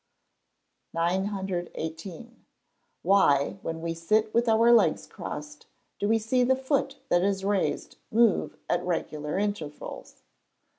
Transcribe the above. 918. _Why, when we sit with our legs crossed, do we see the foot that is raised move at regular intervals?